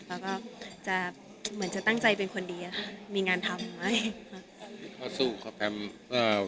เป็นประตูช